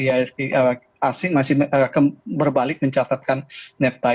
asing masih berbalik mencatatkan netta